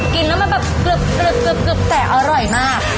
กินแล้วมันแบบกรึบแต่อร่อยมาก